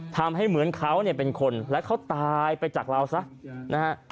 ทำให้เหมือนเขาเนี่ยเป็นคนและเขาตายไปจากเราซะนะฮะ